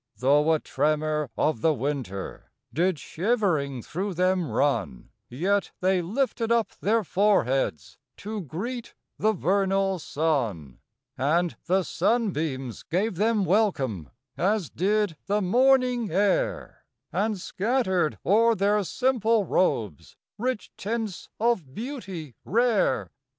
5 Though a tremor of the winter Did shivering through them run; Yet they lifted up their foreheads To greet the vernal sun. And the sunbeams gave them welcome. As did the morning air And scattered o'er their simple robes Rich tints of beauty rare.